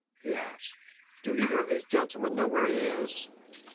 he asked; "do either of these gentlemen know where he is?"